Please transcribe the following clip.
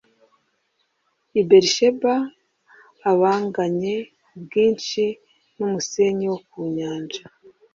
i BeriSheba a banganye ubwinshi n umusenyi wo ku nyanja